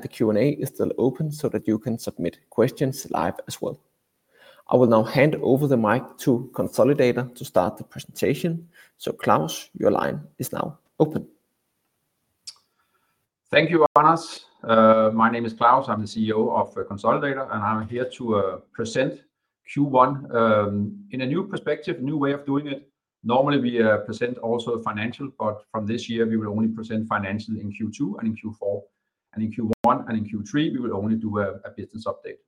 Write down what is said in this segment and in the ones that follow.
The Q&A is still open so that you can submit questions live as well. I will now hand over the mic to Konsolidator to start the presentation. Claus, your line is now open. Thank you, Arnaus. My name is Claus. I'm the CEO of Konsolidator, and I'm here to present Q1 in a new perspective, a new way of doing it. Normally, we present also financial, but from this year, we will only present financial in Q2 and in Q4. In Q1 and in Q3, we will only do a business update.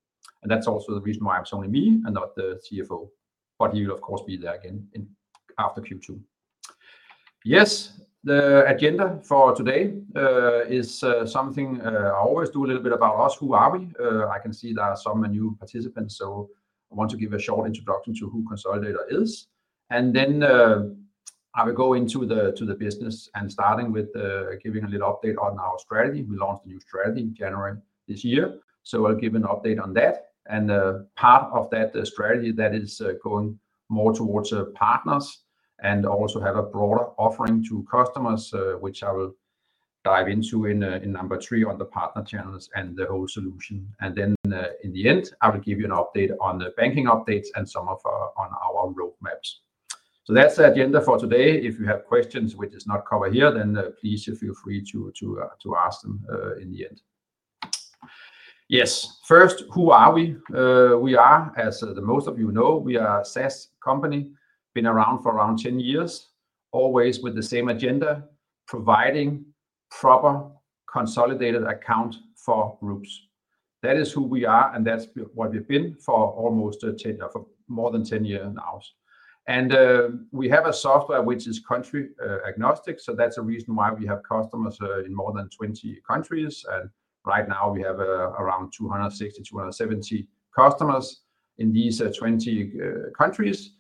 That is also the reason why I'm showing me and not the CFO. He will, of course, be there again after Q2. Yes, the agenda for today is something I always do, a little bit about us. Who are we? I can see there are some new participants, so I want to give a short introduction to who Konsolidator is. Then I will go into the business and start with giving a little update on our strategy. We launched a new strategy in January this year, so I'll give an update on that. Part of that strategy is going more towards partners and also having a broader offering to customers, which I will dive into in number three on the partner channels and the whole solution. In the end, I will give you an update on the banking updates and some of our roadmaps. That is the agenda for today. If you have questions which are not covered here, then please feel free to ask them in the end. Yes, first, who are we? We are, as most of you know, a SaaS company. Been around for around 10 years, always with the same agenda, providing proper consolidated accounts for groups. That is who we are, and that is what we have been for almost more than 10 years now. We have a software which is country-agnostic, so that's the reason why we have customers in more than 20 countries. Right now, we have around 260-270 customers in these 20 countries.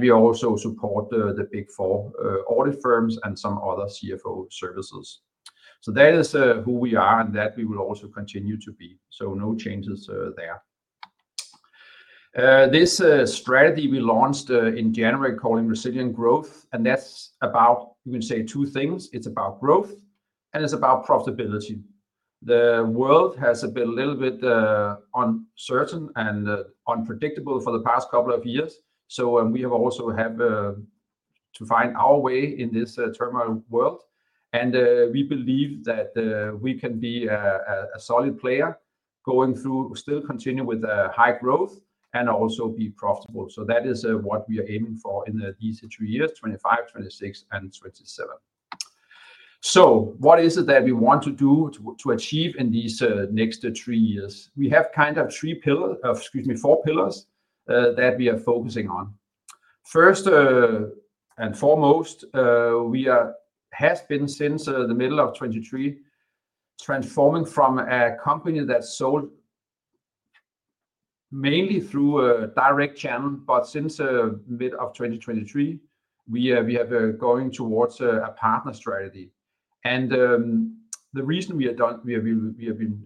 We also support the Big Four audit firms and some other CFO services. That is who we are, and that we will also continue to be. No changes there. This strategy we launched in January is called Resilient Growth. That is about, you can say, two things. It's about growth, and it's about profitability. The world has been a little bit uncertain and unpredictable for the past couple of years. We have also had to find our way in this turmoil world. We believe that we can be a solid player going through, still continue with high growth and also be profitable. That is what we are aiming for in these three years, 2025, 2026, and 2027. What is it that we want to achieve in these next three years? We have kind of three pillars, excuse me, four pillars that we are focusing on. First and foremost, we have been since the middle of 2023 transforming from a company that sold mainly through a direct channel. Since the middle of 2023, we are going towards a partner strategy. The reason we have been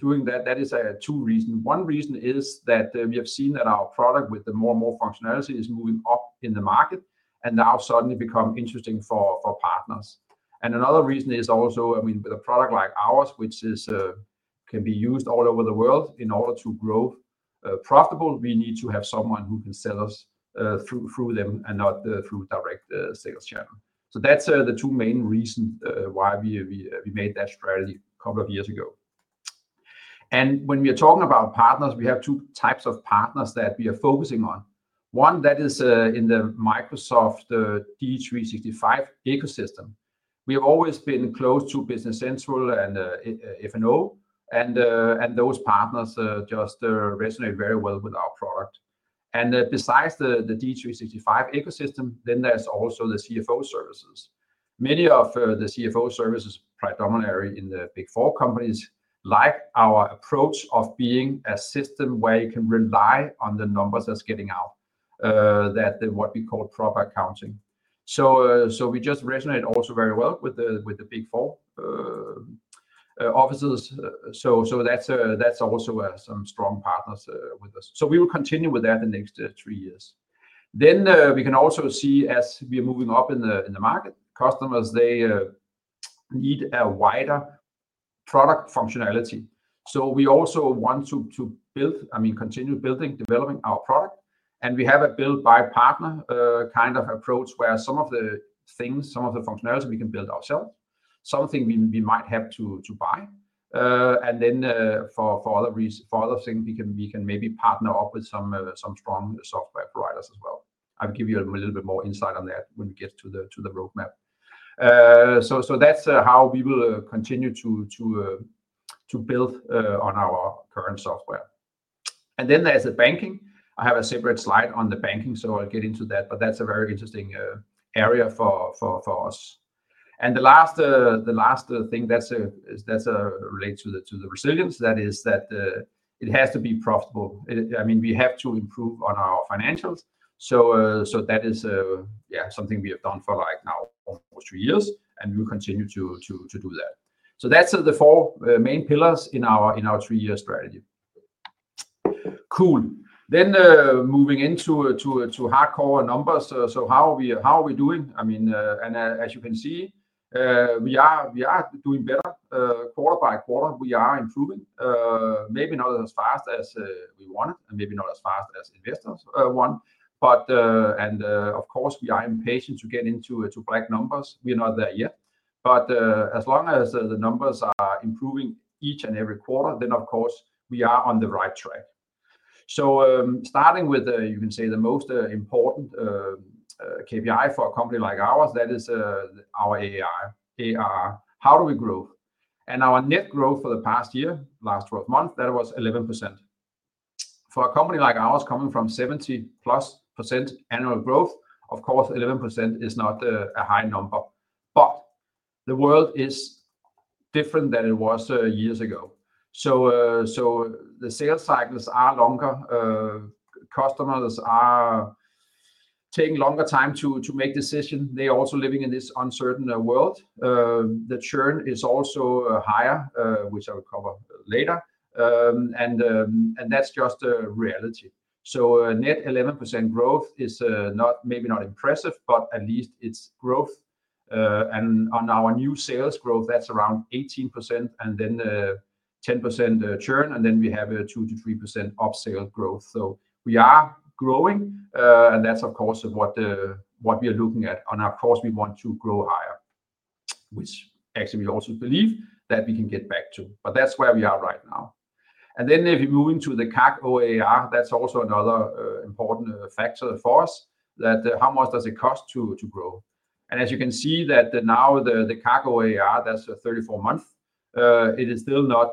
doing that, that is two reasons. One reason is that we have seen that our product with more and more functionality is moving up in the market and now suddenly becomes interesting for partners. Another reason is also, I mean, with a product like ours, which can be used all over the world, in order to grow profitably, we need to have someone who can sell us through them and not through a direct sales channel. Those are the two main reasons why we made that strategy a couple of years ago. When we are talking about partners, we have two types of partners that we are focusing on. One is in the Microsoft D365 ecosystem. We have always been close to Business Central and F&O, and those partners just resonate very well with our product. Besides the D365 ecosystem, there are also the CFO services. Many of the CFO services, predominantly in the Big Four companies, like our approach of being a system where you can rely on the numbers that are getting out, that is what we call proper accounting. We just resonate also very well with the Big Four offices. That is also some strong partners with us. We will continue with that the next three years. We can also see as we are moving up in the market, customers, they need a wider product functionality. We also want to build, I mean, continue building, developing our product. We have a build-by-partner kind of approach where some of the things, some of the functionality we can build ourselves, something we might have to buy. For other things, we can maybe partner up with some strong software providers as well. I'll give you a little bit more insight on that when we get to the roadmap. That is how we will continue to build on our current software. Then there is the banking. I have a separate slide on the banking, so I'll get into that, but that's a very interesting area for us. The last thing that relates to the resilience, that is that it has to be profitable. I mean, we have to improve on our financials. That is something we have done for like now almost three years, and we will continue to do that. That's the four main pillars in our three-year strategy. Cool. Moving into hardcore numbers. How are we doing? I mean, as you can see, we are doing better quarter by quarter. We are improving, maybe not as fast as we wanted and maybe not as fast as investors want. Of course, we are impatient to get into black numbers. We are not there yet. As long as the numbers are improving each and every quarter, of course, we are on the right track. Starting with, you can say, the most important KPI for a company like ours, that is our AR. How do we grow? Our net growth for the past year, last 12 months, was 11%. For a company like ours coming from 70-plus % annual growth, of course, 11% is not a high number. The world is different than it was years ago. The sales cycles are longer. Customers are taking longer time to make decisions. They are also living in this uncertain world. The churn is also higher, which I will cover later. That is just reality. Net 11% growth is maybe not impressive, but at least it is growth. On our new sales growth, that is around 18% and then 10% churn. We have a 2-3% upsale growth. We are growing, and that is, of course, what we are looking at. Of course, we want to grow higher, which actually we also believe that we can get back to. That is where we are right now. If you move into the CAC OAR, that is also another important factor for us, that how much does it cost to grow? As you can see, now the CAC OAR, that is a 34-month, it is still not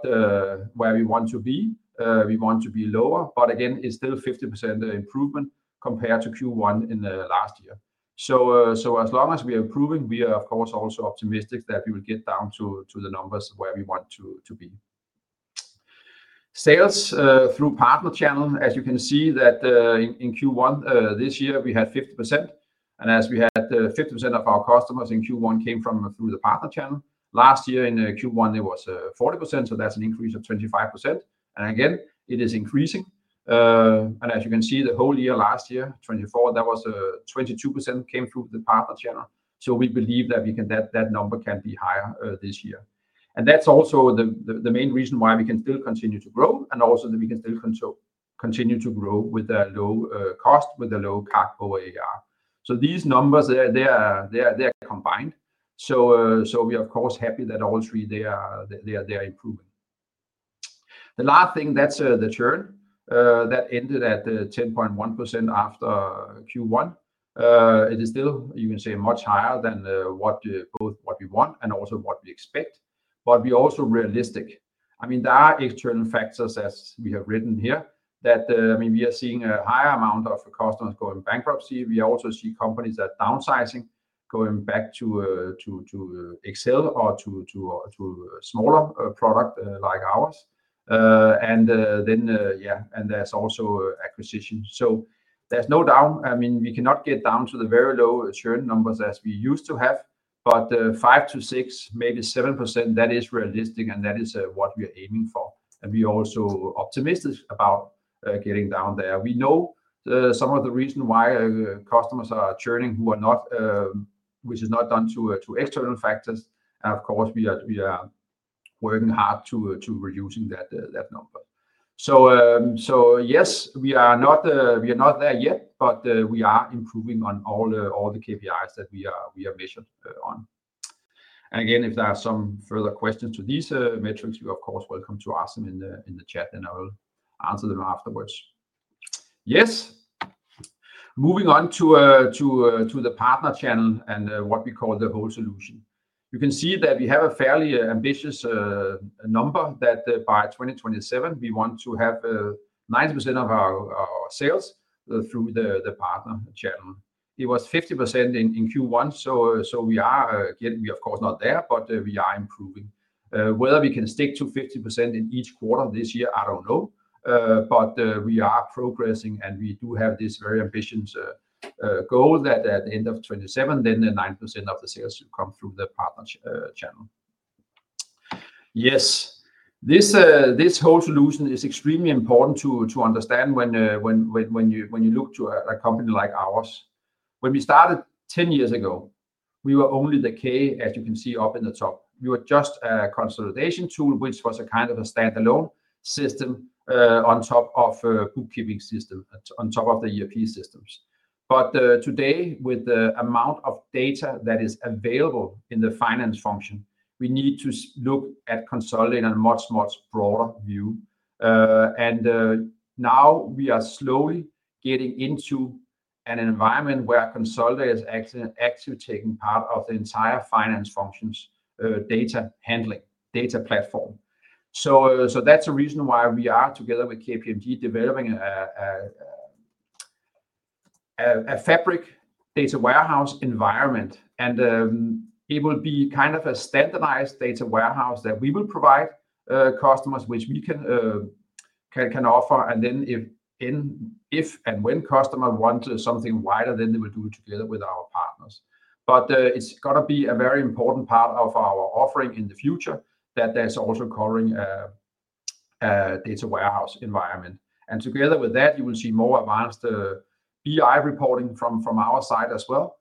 where we want to be. We want to be lower, but again, it is still a 50% improvement compared to Q1 in the last year. As long as we are improving, we are, of course, also optimistic that we will get down to the numbers where we want to be. Sales through partner channel, as you can see that in Q1 this year, we had 50%. As we had 50% of our customers in Q1 came from through the partner channel. Last year in Q1, it was 40%, so that's an increase of 25%. It is increasing. As you can see, the whole year last year, 2024, that was 22% came through the partner channel. We believe that that number can be higher this year. That's also the main reason why we can still continue to grow and also that we can still continue to grow with a low cost, with a low CAC OAR. These numbers, they're combined. We are, of course, happy that all three are improving. The last thing, that's the churn that ended at 10.1% after Q1. It is still, you can say, much higher than both what we want and also what we expect. I mean, there are external factors, as we have written here, that, I mean, we are seeing a higher amount of customers going bankruptcy. We also see companies that are downsizing, going back to Excel or to smaller products like ours. Yeah, and there is also acquisition. There is no doubt. I mean, we cannot get down to the very low churn numbers as we used to have, but 5%-6%, maybe 7%, that is realistic, and that is what we are aiming for. We are also optimistic about getting down there. We know some of the reasons why customers are churning, which is not down to external factors. Of course, we are working hard to reduce that number. Yes, we are not there yet, but we are improving on all the KPIs that we are measured on. Again, if there are some further questions to these metrics, you are, of course, welcome to ask them in the chat, and I will answer them afterwards. Yes. Moving on to the partner channel and what we call the whole solution. You can see that we have a fairly ambitious number that by 2027, we want to have 90% of our sales through the partner channel. It was 50% in Q1, so we are, again, we are of course not there, but we are improving. Whether we can stick to 50% in each quarter this year, I do not know. We are progressing, and we do have this very ambitious goal that at the end of 2027, 90% of the sales should come through the partner channel. Yes. This whole solution is extremely important to understand when you look to a company like ours. When we started 10 years ago, we were only the K, as you can see up in the top. We were just a consolidation tool, which was a kind of a standalone system on top of a bookkeeping system, on top of the ERP systems. Today, with the amount of data that is available in the finance function, we need to look at consolidating a much, much broader view. Now we are slowly getting into an environment where Konsolidator is actually taking part of the entire finance function's data handling data platform. That is a reason why we are together with KPMG developing a Fabric data warehouse environment. It will be kind of a standardized data warehouse that we will provide customers, which we can offer. If and when customers want something wider, then they will do it together with our partners. It is a very important part of our offering in the future that there is also covering a data warehouse environment. Together with that, you will see more advanced BI reporting from our side as well,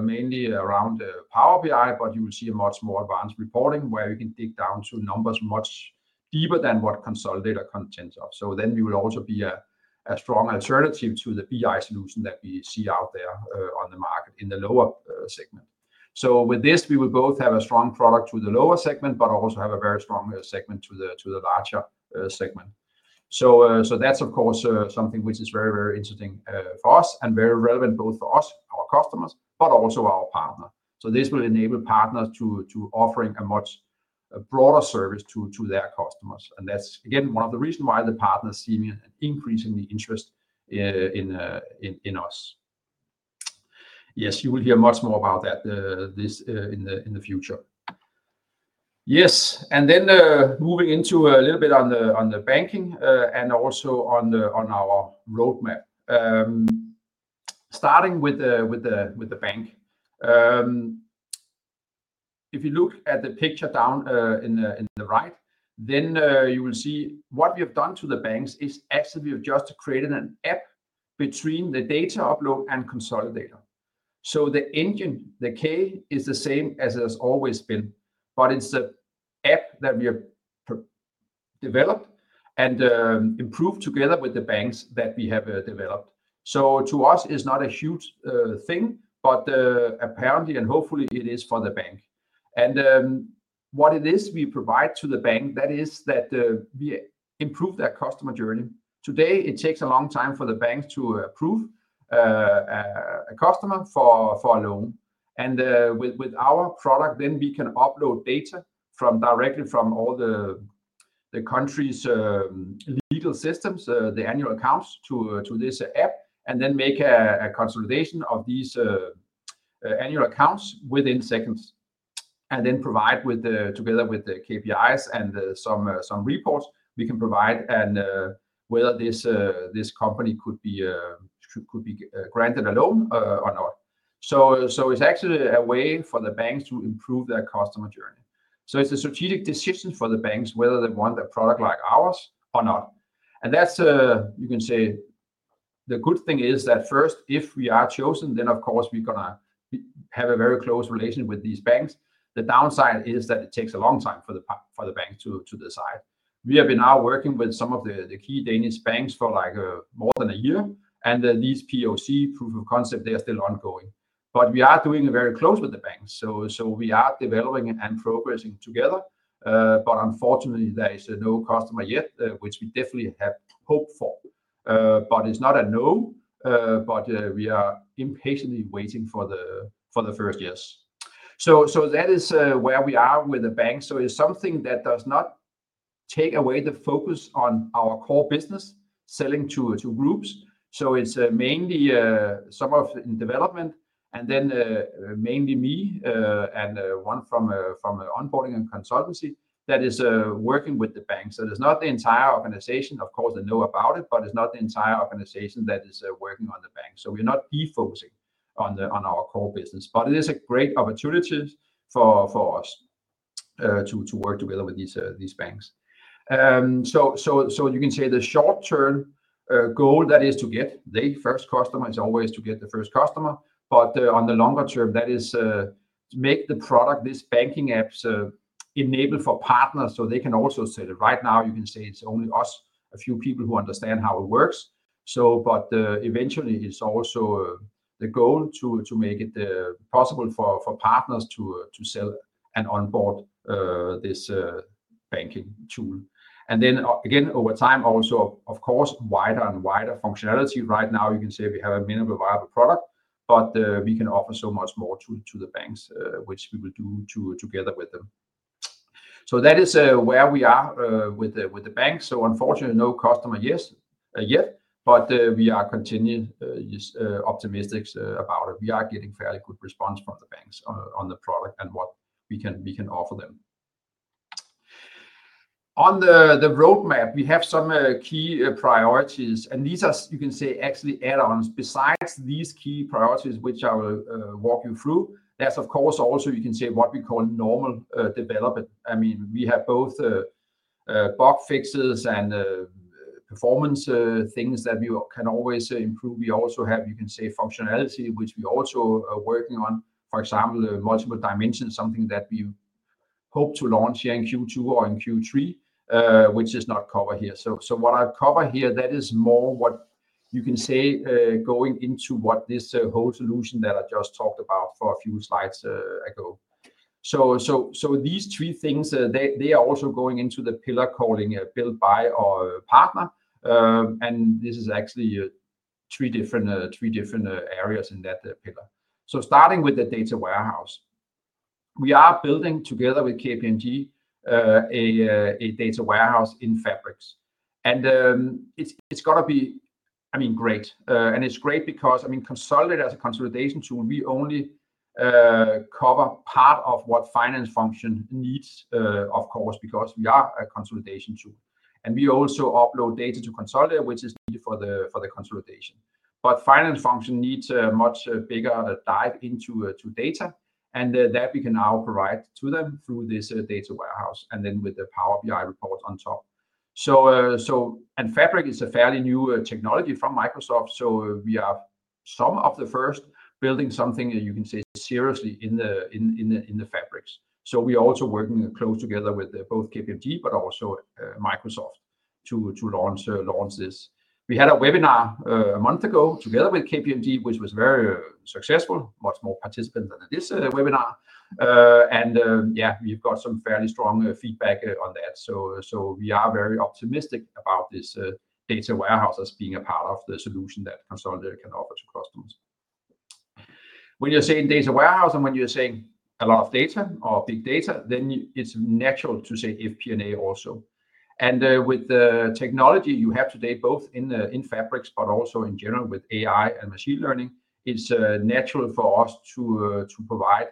mainly around Power BI, but you will see much more advanced reporting where you can dig down to numbers much deeper than what Konsolidator content are. We will also be a strong alternative to the BI solution that we see out there on the market in the lower segment. With this, we will both have a strong product to the lower segment, but also have a very strong segment to the larger segment. That is, of course, something which is very, very interesting for us and very relevant both for us, our customers, but also our partners. This will enable partners to offer a much broader service to their customers. That is, again, one of the reasons why the partners seem increasingly interested in us. Yes, you will hear much more about that in the future. Yes. Moving into a little bit on the banking and also on our roadmap. Starting with the bank, if you look at the picture down in the right, you will see what we have done to the banks is actually we have just created an app between the data upload and Konsolidator. The engine, the K, is the same as it has always been, but it is the app that we have developed and improved together with the banks that we have developed. To us, it's not a huge thing, but apparently and hopefully it is for the bank. What it is we provide to the bank, that is that we improve their customer journey. Today, it takes a long time for the banks to approve a customer for a loan. With our product, we can upload data directly from all the countries' legal systems, the annual accounts to this app, and then make a consolidation of these annual accounts within seconds. Then provide, together with the KPIs and some reports we can provide, whether this company could be granted a loan or not. It's actually a way for the banks to improve their customer journey. It's a strategic decision for the banks whether they want a product like ours or not. You can say the good thing is that first, if we are chosen, then of course we're going to have a very close relation with these banks. The downside is that it takes a long time for the banks to decide. We have been now working with some of the key Danish banks for more than a year, and these POC, proof of concept, they are still ongoing. We are doing very close with the banks. We are developing and progressing together. Unfortunately, there is no customer yet, which we definitely have hope for. It is not a no, but we are impatiently waiting for the first yes. That is where we are with the bank. It is something that does not take away the focus on our core business, selling to groups. It is mainly some of the development and then mainly me and one from onboarding and consultancy that is working with the banks. It is not the entire organization. Of course, they know about it, but it is not the entire organization that is working on the bank. We are not defocusing on our core business, but it is a great opportunity for us to work together with these banks. You can say the short-term goal that is to get the first customer is always to get the first customer. On the longer term, that is to make the product, this banking app, enabled for partners so they can also sell it. Right now, you can say it is only us, a few people who understand how it works. Eventually, it is also the goal to make it possible for partners to sell and onboard this banking tool. Then again, over time, also, of course, wider and wider functionality. Right now, you can say we have a minimum viable product, but we can offer so much more to the banks, which we will do together with them. That is where we are with the banks. Unfortunately, no customer yet, but we are continued optimistics about it. We are getting fairly good response from the banks on the product and what we can offer them. On the roadmap, we have some key priorities, and these are, you can say, actually add-ons. Besides these key priorities, which I will walk you through, there is, of course, also you can say what we call normal development. I mean, we have both bug fixes and performance things that we can always improve. We also have, you can say, functionality, which we also are working on, for example, multiple dimensions, something that we hope to launch here in Q2 or in Q3, which is not covered here. What I cover here, that is more what you can say going into what this whole solution that I just talked about for a few slides ago. These three things, they are also going into the pillar called Build by or Partner. This is actually three different areas in that pillar. Starting with the data warehouse, we are building together with KPMG a data warehouse in Fabric. It is got to be, I mean, great. It is great because, I mean, Konsolidator as a consolidation tool, we only cover part of what finance function needs, of course, because we are a consolidation tool. We also upload data to Konsolidator, which is needed for the consolidation. The finance function needs a much bigger dive into data, and that we can now provide to them through this data warehouse and then with the Power BI report on top. Fabric is a fairly new technology from Microsoft. We are some of the first building something, you can say, seriously in Fabric. We are also working close together with both KPMG, but also Microsoft to launch this. We had a webinar a month ago together with KPMG, which was very successful, much more participants than this webinar. Yeah, we've got some fairly strong feedback on that. We are very optimistic about this data warehouse as being a part of the solution that Konsolidator can offer to customers. When you're saying data warehouse and when you're saying a lot of data or big data, then it's natural to say FP&A also. With the technology you have today, both in Fabric, but also in general with AI and machine learning, it's natural for us to provide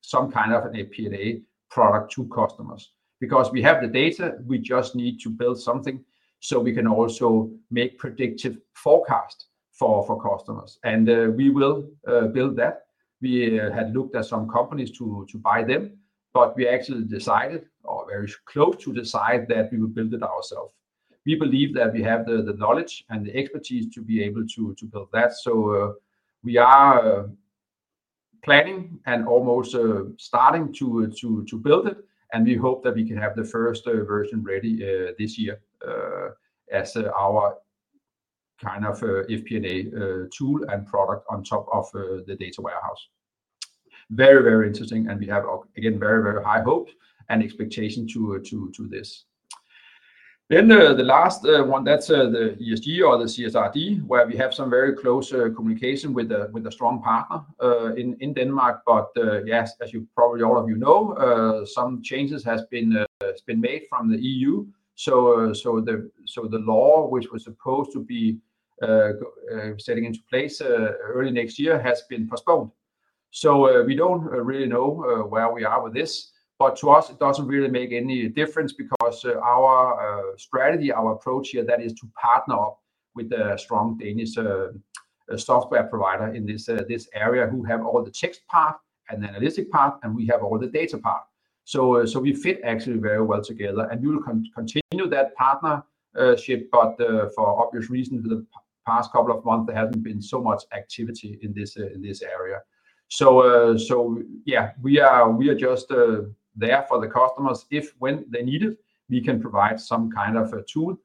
some kind of an FP&A product to customers because we have the data. We just need to build something so we can also make predictive forecasts for customers. We will build that. We had looked at some companies to buy them, but we actually decided or very close to decide that we will build it ourselves. We believe that we have the knowledge and the expertise to be able to build that. We are planning and almost starting to build it. We hope that we can have the first version ready this year as our kind of FP&A tool and product on top of the data warehouse. Very, very interesting. We have, again, very, very high hopes and expectations to this. The last one, that's the ESG or the CSRD, where we have some very close communication with a strong partner in Denmark. Yes, as you probably all of you know, some changes have been made from the EU. The law, which was supposed to be setting into place early next year, has been postponed. We do not really know where we are with this. To us, it does not really make any difference because our strategy, our approach here, that is to partner up with a strong Danish software provider in this area who have all the text part and the analytic part, and we have all the data part. We fit actually very well together. We will continue that partnership, but for obvious reasons, the past couple of months, there has not been so much activity in this area. We are just there for the customers. If when they need it, we can provide some kind of a tool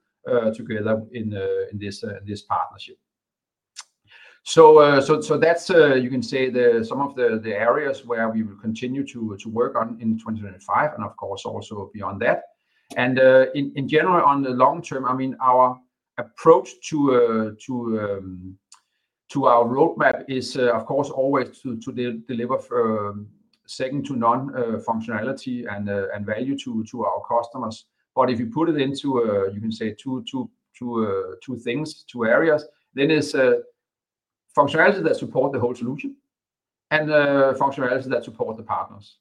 together in this partnership. That is, you can say, some of the areas where we will continue to work on in 2025 and, of course, also beyond that. In general, on the long term, I mean, our approach to our roadmap is, of course, always to deliver second to none functionality and value to our customers. If you put it into, you can say, two things, two areas, then it is functionality that supports the whole solution and functionality that supports the partners.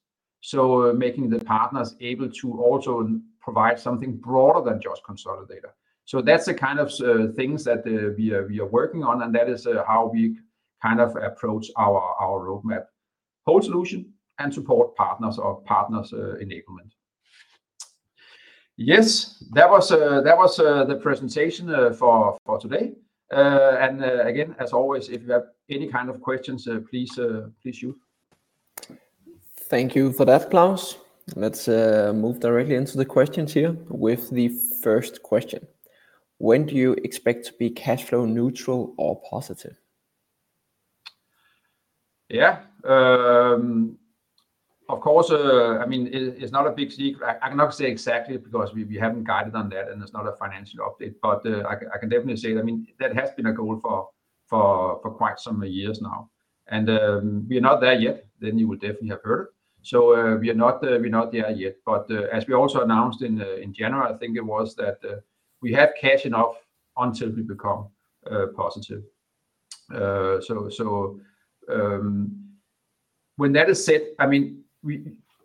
Making the partners able to also provide something broader than just Konsolidator. That is the kind of things that we are working on, and that is how we kind of approach our roadmap, whole solution and support partners or partners enablement. Yes, that was the presentation for today. Again, as always, if you have any kind of questions, please shoot. Thank you for that, Claus. Let's move directly into the questions here with the first question. When do you expect to be cash flow neutral or positive? Yeah, of course, I mean, it's not a big secret. I cannot say exactly because we haven't guided on that, and it's not a financial update. I can definitely say that, I mean, that has been a goal for quite some years now. We are not there yet. You would definitely have heard it. We are not there yet. As we also announced in January, I think it was that we have cash enough until we become positive. When that is said, I mean,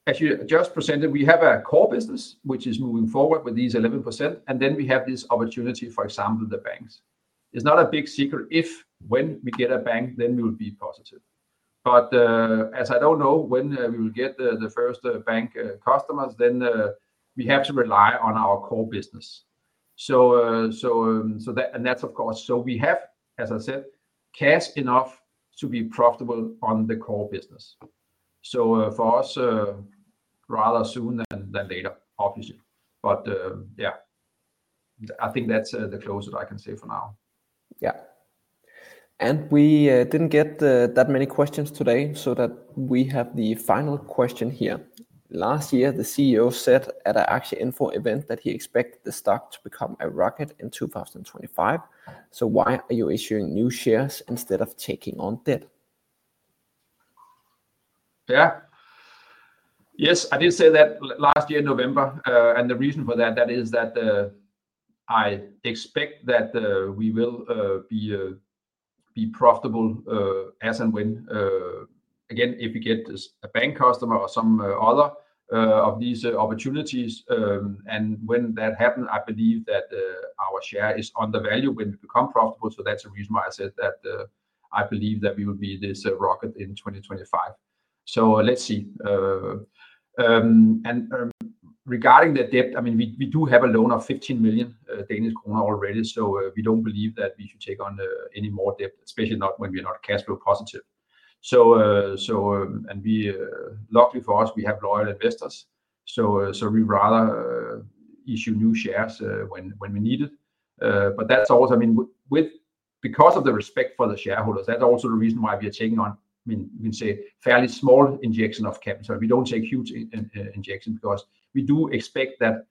as you just presented, we have a core business, which is moving forward with these 11%, and then we have this opportunity, for example, the banks. It's not a big secret. If when we get a bank, then we will be positive. As I don't know when we will get the first bank customers, we have to rely on our core business. That is, of course. We have, as I said, cash enough to be profitable on the core business. For us, rather sooner than later, obviously. I think that's the closest I can say for now. We didn't get that many questions today, so we have the final question here. Last year, the CEO said at an AXIA Info event that he expected the stock to become a rocket in 2025. Why are you issuing new shares instead of taking on debt? Yes, I did say that last year in November. The reason for that is that I expect that we will be profitable as and when. Again, if we get a bank customer or some other of these opportunities, and when that happens, I believe that our share is undervalued when we become profitable. That is the reason why I said that I believe that we will be this rocket in 2025. Let's see. Regarding the debt, I mean, we do have a loan of 15 million Danish kroner already. We do not believe that we should take on any more debt, especially not when we are not cash flow positive. Luckily for us, we have loyal investors. We would rather issue new shares when we need it. That is also, I mean, because of the respect for the shareholders, that is also the reason why we are taking on, I mean, you can say, fairly small injection of capital. We do not take huge injection because we do expect that,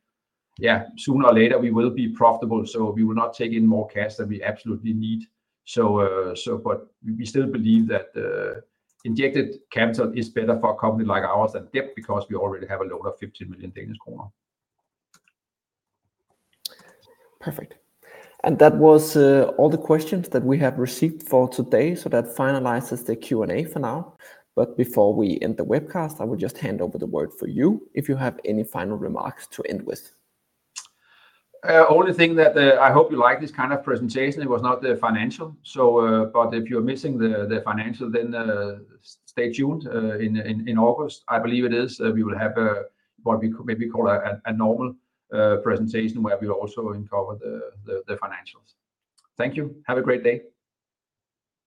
yeah, sooner or later we will be profitable. We will not take in more cash than we absolutely need. We still believe that injected capital is better for a company like ours than debt because we already have a loan of 15 million Danish kroner. Perfect. That was all the questions that we have received for today. That finalizes the Q&A for now. Before we end the webcast, I will just hand over the word for you if you have any final remarks to end with. Only thing that I hope you like this kind of presentation. It was not the financial. If you are missing the financial, then stay tuned in August. I believe it is. We will have what we maybe call a normal presentation where we also uncover the financials. Thank you. Have a great day.